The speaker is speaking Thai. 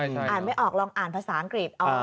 อ่านไม่ออกลองอ่านภาษาอังกฤษ